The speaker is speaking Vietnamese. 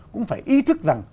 cũng phải ý thức rằng